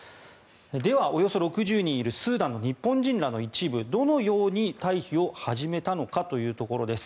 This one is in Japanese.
では、およそ６０人いるスーダンの日本人らの一部どのように退避を始めたのかというところです。